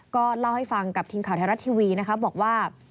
ก็เล่าให้ฟังกับทีมข่าวไทยรัฐทีวีนะคะบอกว่า